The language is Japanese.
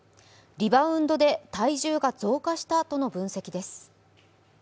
リバウンドで体重が増加したとの分析です。